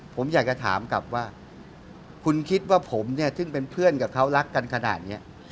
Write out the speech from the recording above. ผมอยากจะถามกลับว่าคุณคิดว่าผมเนี่ยซึ่งเป็นเพื่อนกับเขารักกันขนาดนี้